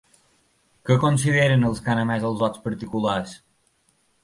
Què consideren els que han emès els vots particulars?